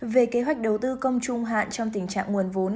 về kế hoạch đầu tư công trung hạn trong tình trạng nguồn vốn